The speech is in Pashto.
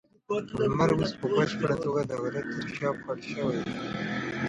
لمر اوس په بشپړه توګه د غره تر شا پټ شوی دی.